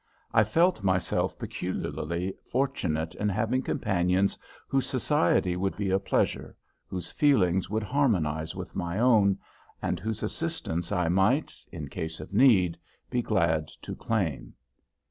I felt myself peculiarly fortunate in having companions whose society would be a pleasure, whose feelings would harmonize with my own, and whose assistance I might, in case of need, be glad to claim.